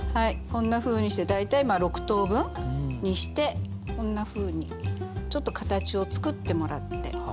こんなふうにして大体６等分にしてこんなふうにちょっと形を作ってもらって。